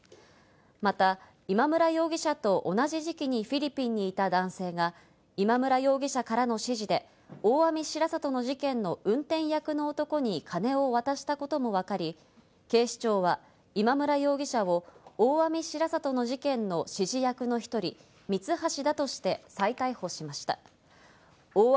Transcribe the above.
また今村容疑者と同じ時期にフィリピンにいた男性が今村容疑者からの指示で大網白里の事件の運転役の男に金を渡したことも分かり、警視庁は今村容疑者を大網白里の事件の指示役の一人、ミツハシだとして再逮捕しました。